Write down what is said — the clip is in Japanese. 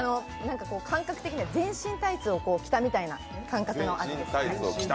感覚的には全身タイツを着たみたいな感覚になります。